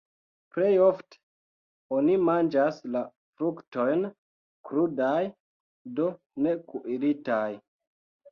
Plej ofte oni manĝas la fruktojn krudaj, do ne kuiritaj.